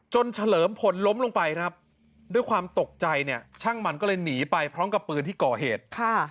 เฉลิมผลล้มลงไปครับด้วยความตกใจเนี่ยช่างมันก็เลยหนีไปพร้อมกับปืนที่ก่อเหตุ